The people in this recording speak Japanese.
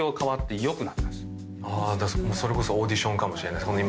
それこそオーディションかもしれないです。